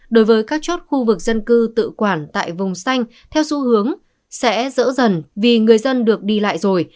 đối với các chốt khu vực dân cư tự quản tại vùng xanh theo xu hướng sẽ dỡ dần vì người dân được đi lại rồi